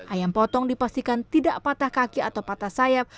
ayam potong dipastikan tidak patah kaki atau patah sayap